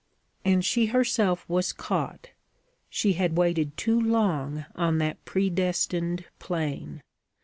And she herself was caught: she had waited too long on that predestined plain.